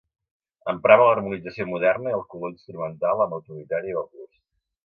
Emprava l'harmonització moderna i el color instrumental amb autoritat i bon gust.